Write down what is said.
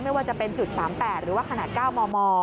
ไม่ว่าจะเป็นจุด๓๘หรือว่าขนาด๙มม